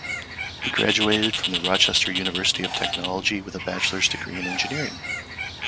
He graduated from the Rochester Institute of Technology with a bachelor's degree in engineering.